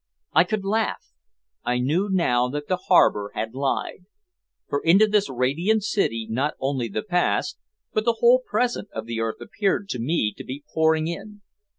I could laugh! I knew now that the harbor had lied! For into this radiant city not only the past but the whole present of the earth appeared to me to be pouring in.